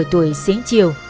một mươi tuổi sáng chiều